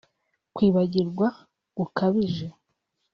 kwibagirwa gukabije